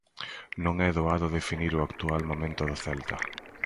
Non é doado definir o actual momento do Celta.